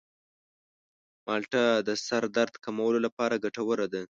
مالټه د سر درد کمولو لپاره ګټوره ده.